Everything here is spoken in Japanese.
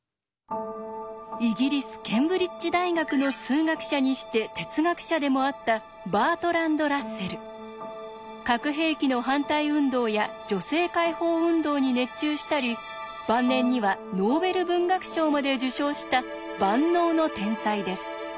イギリスケンブリッジ大学の数学者にして哲学者でもあった核兵器の反対運動や女性解放運動に熱中したり晩年にはノーベル文学賞まで受賞した万能の天才です。